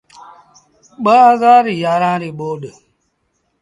ٻآ هزآر يآرآن ريٚ ٻوڏ۔